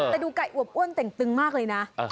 แต่ดูไก่อวบอ้วนเต่งตึงมากเลยนะ